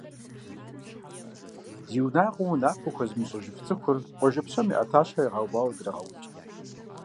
Зи унагъуэм унафэ хуэзымыщӏыжыф цӏыхур къуажэ псом я ӏэтащхьэу ягъэувауэ драгъэукӏ!